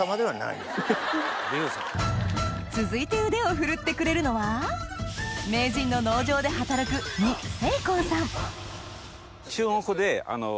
続いて腕を振るってくれるのは名人の農場で働くえ！